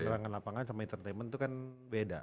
keterangan lampangan sama entertainment itu kan beda